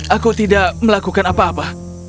aku tidak melakukan apa apa